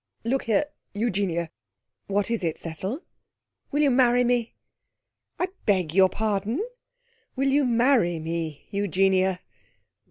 'Look here, Eugenia.' 'What is it, Cecil?' 'Will you marry me?' 'I beg your pardon?' 'Will you many me, Eugenia?'